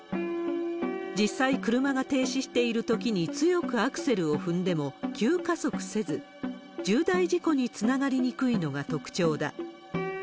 実際車が停止しているときに強くアクセルを踏んでも急加速せず、重大事故につながりにくいのが特徴だ。